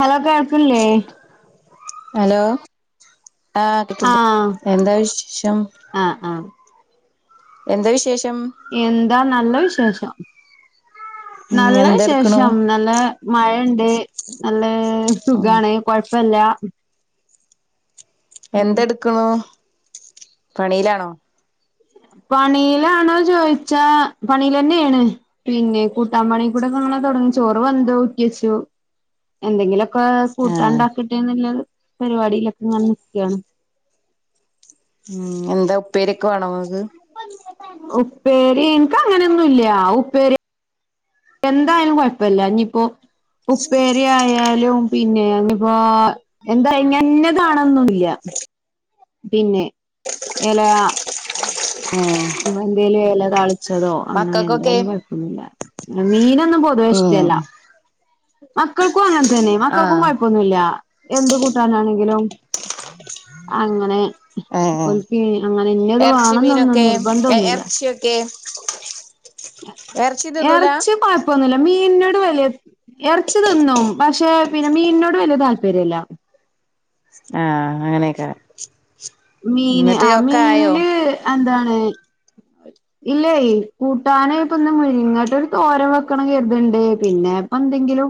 Hello കേൾകില്ലേ hello ആ കിട്ടണ്ട ആഹ് എന്താ വിശേഷം ആഹ് ആഹ് എന്താ വിശേ- എന്താ നല്ല വിശേഷം ഉം നല്ല എന്തെടുക്കണു വിശേഷം നല്ല മഴയണ്ട് നല്ല ഉം സുഖാണ് കൊഴ പ്പല്ല എന്തെടുക്കണു പണിയിലാണോ പണിയിലാണോ ചോദിച്ചാ പണീൽ ന്നെണ് പിന്നെ കൂട്ടാൻ പണീകൂടെ തൊടങ്ങും ചോറ് വെന്ത് ഊറ്റിവെച്ചു എന്തെങ്കിലൊ കൊ കൂട്ടാൻ ആഹ് ഇണ്ടാക്കട്ടെ എന്നുള്ളത് പരിപാടിയിലൊക്കെ ഇങ്ങനെ നിക്കാണ് ഉം എന്താ ഉപ്പേരിയൊക്കെ വേണോ നിങ്ങക്ക് ഉപ്പേരി എനക്ക് അങ്ങനെയൊന്നും ഇല്ല ഉപ്പേരി എന്തായാലും കുഴപ്പില്ല ഇനിയിപ്പോ ഉപ്പേരിയായാ ലും പിന്നെ ഇഞ്ഞിപ്പോ ന്താ ഇന്ന താനൊന്നൊന്നും ഇല്ല. പിന്നെ എല ഉം എന്തേലും എല താളി ച്ചതോ അങ്ങനെ മക്കക്കൊക്കെ എന്തായാലും കുഴപ്പൊന്നില്ല മീനൊന്നും പൊതുവെ ഉം ഇഷ്ടല്ല. മക്കൾ ക്കും അങ്ങനെ തന്നെ മക്കൾക്കും ആഹ് കുഴപ്പൊന്നുല്ല എന്ത് കൂട്ടാനാണെങ്കിലും അങ്ങനെ ഏഹ് ഒൽക്ക് അങ്ങനെ ഇന്നെത് എറച്ചി വേണംന്നൊന്നും മീനൊക്കെ നിർബന്ധം എ ഒന്നുല്ല. എറച്ചിയൊക്കെ എറച്ചി തിന്നൂല ഇറച്ചി കൊഴപ്പൊന്നൂല്ല മീനോട് വല്യ ഇറച്ചി തിന്നും പക്ഷെ പിന്നെ മീനിനോട് വലിയ താല്പര്യല്ല. ആ അങ്ങനെയൊക്കെ മീന് ആ മീനില് എന്താണ് ഇല്ലേ കൂട്ടാന് ഇപ്പൊന്ന് മുരിങ്ങേട്ടൊരു തോരൻ വെക്കണന്ന് കരുത്ണ്ട് പിന്നെ ഇപ്പോ എന്തെങ്കിലും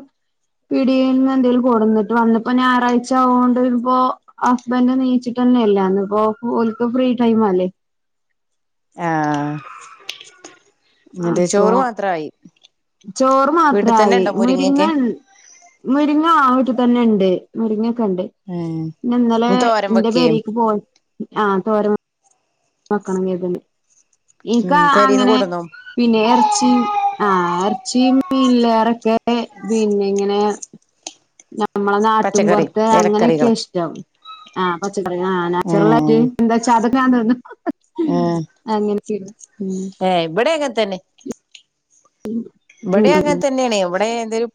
പിടിയീൽന്ന് എന്തേലും കൊണ്ടന്നിട്ട് വേണം ഞായറാഴ്ച ആയോണ്ട് ഇന്നിപ്പോ ഹസ്ബൻഡിനെ നീയിച്ചിട്ടാ തന്നെയല്ലാന്ന് അപ്പോ ഓല്ക്ക് ഫ്രീ ടൈമല്ലേ ആഹ് എന്നിട്ട് അപ്പോ ചോറ് മാത്രായി ചോറ് വീട്ടിൽ തന്നെ മാത്രായി ഉണ്ടോ മുരിങ്ങ മുരിങ്ങൊക്കെ ഇൻ - മുരിങ്ങ ആവീട്ടിൽ തന്നെ ഇണ്ട് മുരിങ്ങ- ഇണ്ട് ഏഹ് പിന്നെ ഇന്നലെ ഇനി തോരൻ ഇന്റെ വെക്കേ പേരേക്ക് പോയ- ആഹ് തോരൻ വെക്കണം ഇനി ഏതേലും ഉം ഇൻക്ക് പെരീന്ന് അങ്ങനെ കൊണ്ടന്നു പിന്നെ എറച്ചീം ആഹ്- ചീനി മീന്ലേറക്കെ പിന്നെ ഇങ്ങനെ- നമ്മളെ പച്ചക്കറി നാട്ടിൻപൊറത്തെ ഇലക്കറികള് അങ്ങനൊക്കെയ ഇഷ്ട്ടം ആഹ് പച്ചക്കറി ആഹ് നാച്ചുറലായിട്ട് എന്താവെച്ചാ അതൊക്കെ- ആഹ് അങ്ങനെയൊക്കെയാണ് ഉം ഏഹ് ഇവിടെ അക്കെത്തന്നെ ഇവിടെ ഉം അങ്ങൻതന്നേയാണേ ഇവടെ എന്തേലും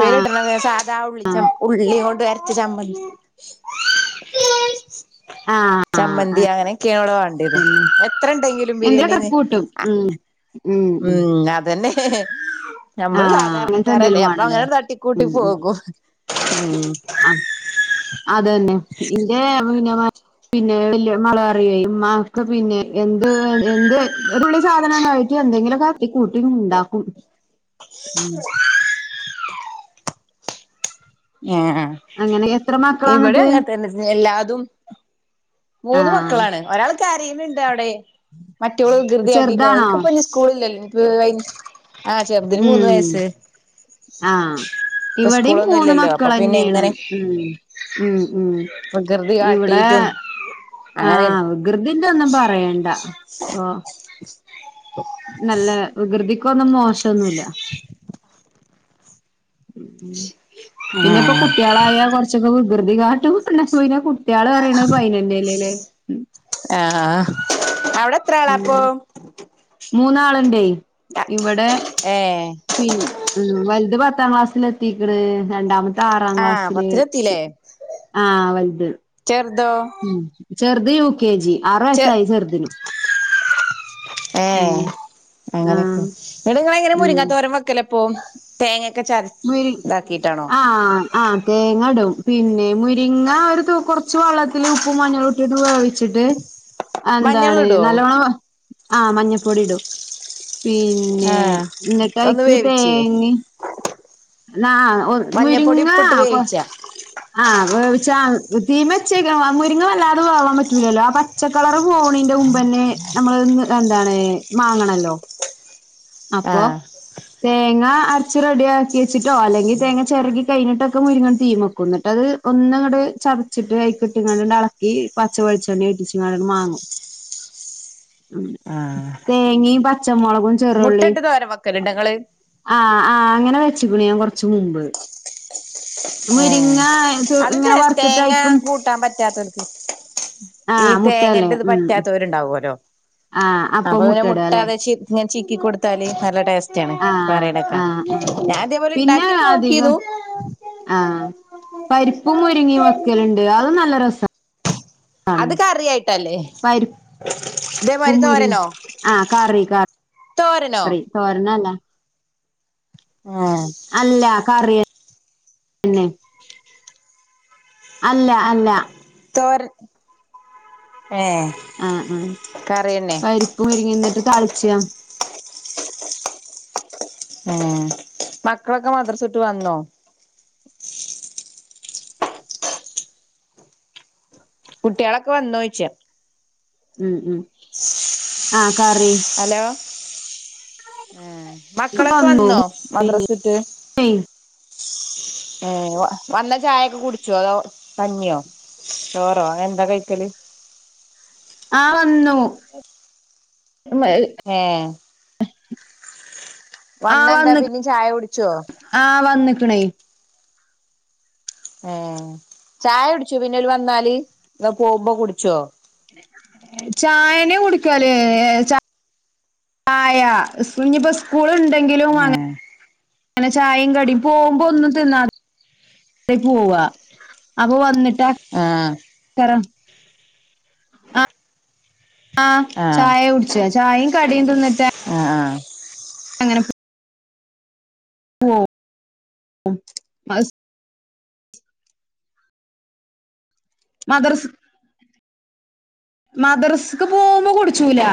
പേര്കിട്ടണ സാധാ ഉള്ളിച്ച ഉള്ളി കൊണ്ടര- ച്ചമ്മന്തി ആഹ് ചമ്മന്തി അങ്ങനൊക്കാണ് ഇവിടെ വേണ്ടേത് എത്രെണ്ടെങ്കിലും ബിരിയാണി എന്തേലൊക്കെ നെ- കൂട്ടും ഉം ഉം അതതന്നെ നമ്മള് ആഹ് അങ്ങൻത്തെ സാധാരണക്കാരല്ലെ എന്തേലും അപ്പൊ വാണല്ലേ അങ്ങനെ തട്ടിക്കൂട്ടി പോകും ഉം ആഹ് അതന്നെ ഇന്റേ- പിന്നെ വല്യ മകള് പറയൊയ് ഇമ്മാക്ക് പിന്നെ ഏന്ത് എന്ത് ഒര് തുള്ളി- സാധനാണ് എനിക്ക് എന്തെങ്കിലും ഒക്കെ തട്ടി കൂട്ടി ഇണ്ടാക്കും മ് ആഹ് അങ്ങനെ എത്ര ഇവടെ മക്കളാന്നിട്ട് അങ്ങനെ തന്നെ എല്ലാതും- മൂന്ന് ആഹ് മക്കളാണ് ഒരാള്- കരീണ് ണ്ടവ്ടെ മറ്റോള് വികൃതിയാട്ടീട്ട് ചെറുതാണോ അവർക്കിപ്പഞി സ്കൂളില്ലല്ലൊ- ആഹ് ചെറ്തിന് മൂന്ന് ഉം വയസ്സ് ആഹ് ഇപ്പൊ ഇവിടെയും സ്കൂളൊ മൂന്ന് ന്നുല്ലല്ലൊ അപ്പൊ പിന്നെ മക്കളന്നെയാണ് ഇങ്ങനെ ഉം ഉം ഉം വികൃതി ഇവിടെ കാട്ടീറ്റും- അങ്ങനെ- ആഹ് വികൃതിന്റെ ഒന്നും പറയണ്ട ഇപ്പൊ നല്ല വികൃതിക്കൊന്നും മോശൊന്നുല്ല- പിന്നെ ഇപ്പൊ കുട്ടീളായാ കൊറച്ചൊക്കെ വികൃതി കാട്ടും [unintelligible] കുട്ടിയാള് പറീണത് പൈനന്റെലെലെ- ആഹ്- ത്രാളാ പ്പോ- മൂന്നാള്ണ്ടെ ഇവടെ- ഏഹ് പിന്ന ഉം വല്ത് പത്താം ക്ലാസ്സ്ലെത്തീക്ക്ണ് രണ്ടാമത്തെ- ആറാം ആഹ് ക്ലാസ്സില് പത്തിലെത്തില്ലേ ആഹ് വല്ത്- ചെറുതോ ഉം ചെറുത് യൂ കെ ജി ആറു ചെ വയസ്സായി ചെറ്തിന്- ഏഹ് അങ്ങനൊക്കെ ആഹ് ഇങ്ങ്ട്ട് ഇങ്ങളെങ്ങനെ ഉം മുരിങ്ങാത്തോരം വെക്കലപ്പോ- തേങ്ങേ- മുരി ആഹ് ആഹ് തേങ്ങടും- പിന്നെ മുരിങ്ങ ഒര് തൂ കൊറച്ച് വള്ളത്തില് ഉപ്പും മഞ്ഞളുട്ട്ട്ട് വേവ്ച്ച്ട്ട്- മഞ്ഞൾ ന്താണ് ഇടുവോ നല്ലോണം ആഹ് മഞ്ഞപ്പൊടിടും- പിന്നെ ആഹ് ഒന്ന് ന്നിട്ടയ്ക്ക് വേവിച്ചേ തേങ്ങെ- ന്നാആ മഞ്ഞപ്പൊടി മുരിങ്ങാ ഉപ്പിട്ട് കൊ വേവിച്ചാ ആഹ്- ചാ തീമെച്ചെ പച്ചേക്ക മുരിങ്ങ വല്ലാതെ വേവാൻ പറ്റൂലലൊ ആ പച്ചക്കളർ പോണീന്റെ മുമ്പ്ന്നെ- നമ്മള്ന്ന് ന്താണ് മാങ്ങണല്ലൊ- ആഹ്- തേങ്ങ അരച്ച് റെഡിയാക്കി വെച്ചിട്ടൊ അല്ലെങ്കി തേങ്ങ ചെരകി കഴിഞ്ഞിട്ടൊകെ മുരിങ്ങണ് തീമക്കും- ഒന്നങ്ങട് ചതച്ചിട്ട് അയ്‌ക്കിട്ടങ്ങാണ്ട് ഏളക്കി പച്ചവെളിച്ചെണ്ണീം ഒറ്റിച്ചിങ്ങാണ്ട് മാങ്ങും. ഉം ആഹ് തേങ്ങീം പച്ച മൊളകും ചെറുള്ളി മുട്ടട്ട് തോരൻ വെക്കലുണ്ടോ ഇങ്ങള് ആഹ് ആഹ് അങ്ങനെ വെച്ച് ക്ക്ണു കൊറച്ച് മുമ്പ് ഏ മുരിങ്ങ ത് അത് ഇങ്ങനെ ടേസ്റ്റ്‌ തേങ്ങ വറുത്തിട്ടയ്ക്കും കൂട്ടാൻ പറ്റാത്തത് ഈ ആഹ് മുട്ടല്ലേ തേങ്ങന്റത് ഉം പറ്റാത്തവരുണ്ടാവല്ലോ ആഹ് അപ്പൊ പിന്നെ മുട്ട മുട്ടടാല്ലേ അതാ ചിക്കി കൊടുത്താല് നല്ല ടേസ്റ്റ് ആഹ് പറയണേക്ക ആഹ് ആഹ് ഞാൻ അതേപോലെ ഉണ്ടാക്കിയൊക്കെ നോക്കിയതു ആ പരിപ്പും മുരുങ്ങിയ വെക്കലുണ്ട് അതും നല്ല രസാണ് അത് കറിയായിട്ടല്ലേ പരിപ്പും ഇതേ മാരി മുരിങ്ങ തോരനോ ആഹ് കറി ക തോരനോ കറി തോരനല്ല ആഹ് അല്ല കറിയന്നെ അല്ല അല്ല തോരൻ ഏഹ് ആ ആ കറിയന്നെ പരിപ്പും മുരിങ്ങേം എന്നിട്ട് താളിച്ച ഉം മക്കളൊക്കെ മദ്രസ വിട്ട് വന്നോ കുട്ടികളൊക്കെ വന്നോയ്ച്ച ഉം ഉം ആ കറി ഏ മക്കളൊക്കെ വന്നു വന്നോ മദ്രസട്ട് ഏ വന്ന ചായയൊക്കെ കുടിച്ചോ അതോ കഞ്ഞിയോ ചോറോ എന്താ കഴിക്കല് ആ വന്നു ഏ ആഹ് വന്ന എന്താ പിന്നെ ചായ കുടിച്ചോ വന്നിക്കണ് ഏ ചായ കുടിച്ചു പിന്നെ ഓല് വന്നാല് അതൊ പോകുമ്പോ കുടിച്ചോ ചായന്ന കുടിക്കല് ചായ ഇനിയിപ്പോ സ്കൂൾ ഉണ്ടെങ്കിലും ഏ അങ്ങനെ അങ്ങനെ ചായേം കടീം പോകുമ്പോ ഒന്നും തിന്നാ തെ പോവാ അപ്പൊ വന്നിട്ട് ആ ആ ആഹ് ചായ കുടിച്ച ചായയും കടിയും തിന്നിട്ട് ആഹ് ആഹ് അങ്ങനെ ഓ അ മദർസ് മദ്രസ്ക്ക് പോവുമ്പോ കുടിച്ചൂല